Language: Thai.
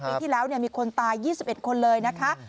ปีที่แล้วมีคนตาย๒๑คนเลยนะคะ